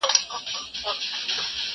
زه چايي نه څښم